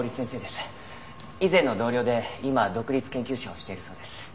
以前の同僚で今は独立研究者をしているそうです。